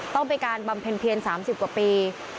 ต้องไปการบำเพ็ญ๓๐กว่าปี